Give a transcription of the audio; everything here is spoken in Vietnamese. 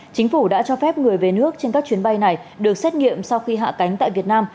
chính phủ đã cho phép người về nước trên các chuyến bay này được xét nghiệm sau khi hạ cánh tại việt nam